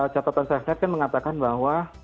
catatan saya mengatakan bahwa